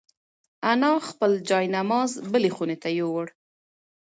انا خپل جاینماز بلې خونې ته یووړ.